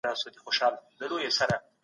سم نیت هدف نه ځنډوي.